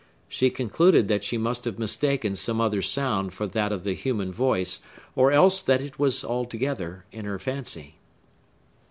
She concluded that she must have mistaken some other sound for that of the human voice; or else that it was altogether in her fancy.